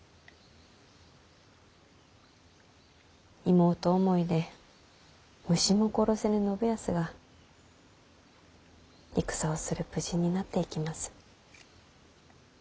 妹思いで虫も殺せぬ信康が戦をする武人になっていきます。